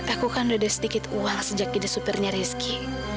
aku kan udah ada sedikit uang sejak jadi supirnya rizky